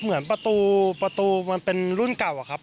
เหมือนประตูมันเป็นรุ่นเก่าอะครับ